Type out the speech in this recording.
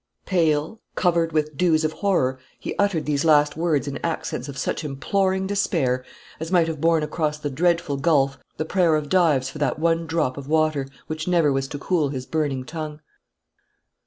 Pale, covered with the dews of horror, he uttered these last words in accents of such imploring despair, as might have borne across the dreadful gulf the prayer of Dives for that one drop of water which never was to cool his burning tongue.